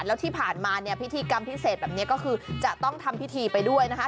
แล้วที่ผ่านมาเนี่ยพิธีกรรมพิเศษแบบนี้ก็คือจะต้องทำพิธีไปด้วยนะคะ